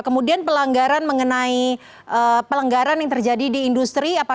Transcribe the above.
kemudian pelanggaran mengenai pelanggaran yang terjadi di industri